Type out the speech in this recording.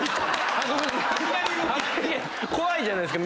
博物館の⁉怖いじゃないですか！